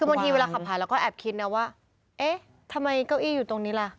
คือบางทีเวลาขับผ่านเราก็แอบคิดนะว่าเอ๊ะทำไมเก้าอี้อยู่ตรงนี้ล่ะ